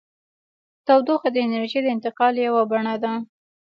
تودوخه د انرژۍ د انتقال یوه بڼه ده.